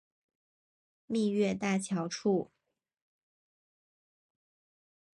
蜜月大桥处。